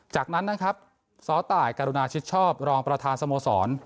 จากนั้นนะครับซ้อตายกรุณาชิดชอบรองประธานสโมสร